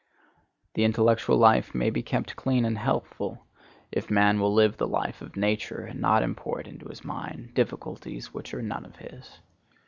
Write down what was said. The intellectual life may be kept clean and healthful if man will live the life of nature and not import into his mind difficulties which are none of his.